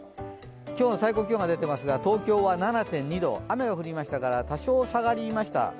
今日の最高気温、東京は７．２度雨が降りましたから多少下がりました。